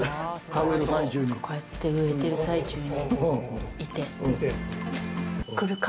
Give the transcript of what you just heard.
こうやって植えてる最中にいて、来るか？